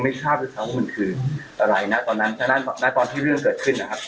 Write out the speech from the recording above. ผมอายอเมยคาบยังไม่รู้สึกว่ามันคืออะไรตอนนั้นพี่เรื่องเกิดขึ้นอะครับ